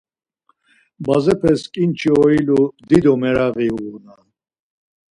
Bazepes ǩinçiş oilu dido meraği uğunan.